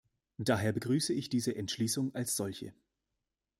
Daher begrüße ich diese Entschließung als solche.